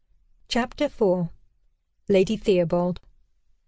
CHAPTER IV. LADY THEOBALD.